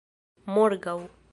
morgaŭ